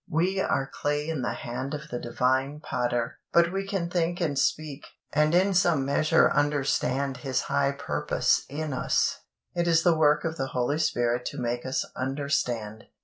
We are clay in the hand of the Divine Potter, but we can think and speak, and in some measure understand His high purpose in us. It is the work of the Holy Spirit to make us understand.